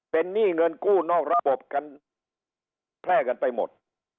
เป็นหนี้เงินกู้นอกระบบกันแพร่กันไปหมด